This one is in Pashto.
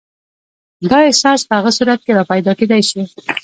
دا احساس په هغه صورت کې راپیدا کېدای شي.